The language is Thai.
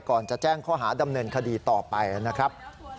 ก่อนจะแจ้งข้อหาดำเนินคดีต่อไปนะครับ